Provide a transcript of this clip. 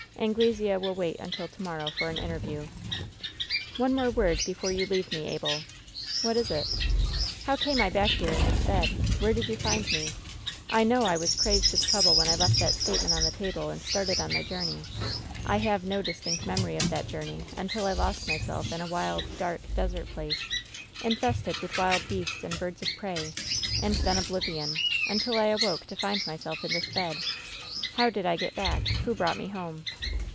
Aiiglesea wiU wait until to morrow for an interview." «58 WHEN SHADOWS DIE "One more word before you leave me, Abel/* "What 18 it ?" "How came I back here in this bed ? Where did you find me ? I know I was crazed with trouble when I left that statement on the table and started on my journey. I have no distinct memory of that journey imtil I lost myself in a wild, dark, desert place, infested with wild beasts and birds of prey, and then oblivion, until I awoke to find myself in this bed. How did I get back ? Who brought me home